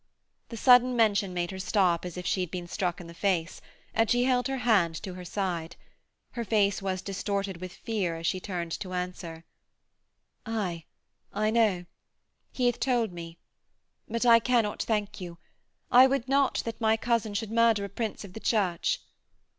The sudden mention made her stop as if she had been struck in the face, and she held her hand to her side. Her face was distorted with fear as she turned to answer: 'Aye. I knew. He hath told me. But I cannot thank you. I would not that my cousin should murder a prince of the Church.'